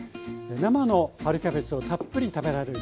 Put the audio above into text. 生の春キャベツをたっぷり食べられるコールスロー。